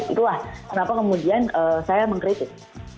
itulah kenapa kemudian saya mengkritik